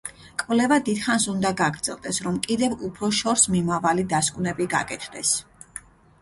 კვლევა დიდხანს უნდა გაგრძელდეს, რომ კიდევ უფრო შორსმიმავალი დასკვნები გაკეთდეს.